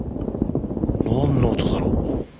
なんの音だろう？